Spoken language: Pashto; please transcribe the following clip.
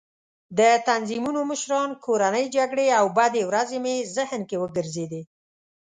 د تنظیمونو مشران، کورنۍ جګړې او بدې ورځې مې ذهن کې وګرځېدې.